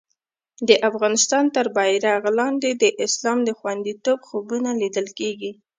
د افغانستان تر بېرغ لاندې د اسلام د خوندیتوب خوبونه لیدل کېږي.